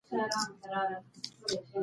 انا وویل چې رښتینی صبر په سختو شېبو کې وي.